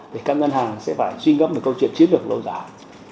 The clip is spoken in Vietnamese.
để các ngân hàng sẽ phải xuyên gấp một câu chuyện chiến được lâu dài